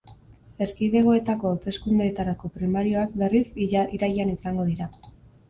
Erkidegoetako hauteskundeetarako primarioak, berriz, irailean izango dira.